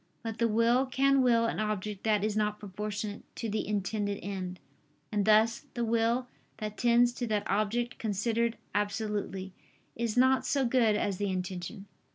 But the will can will an object that is not proportionate to the intended end: and thus the will that tends to that object considered absolutely, is not so good as the intention.